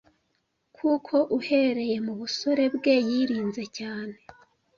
Kuko uhereye mu busore bwe yirinze cyane